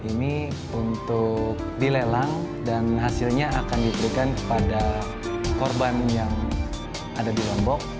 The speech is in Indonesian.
ini untuk dilelang dan hasilnya akan diberikan kepada korban yang ada di lombok